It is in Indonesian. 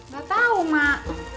gak tau mak